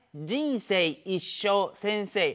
「人生」「一生」「先生」。